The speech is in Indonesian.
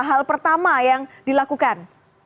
hal pertama yang dilakukan